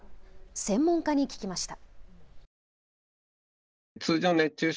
専門家に聞きました。